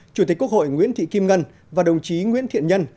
chủ tịch quốc hội nguyễn thị kim ngân và đồng chí nguyễn thiện nhân